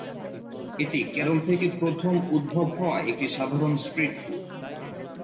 এটি কেরল থেকে প্রথম উদ্ভব হওয়া একটি সাধারণ স্ট্রিট ফুড।